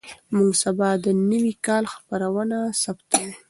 موږ سبا د نوي کال خپرونه ثبتوو.